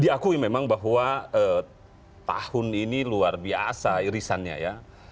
diakui memang bahwa tahun ini luar biasa irisannya ya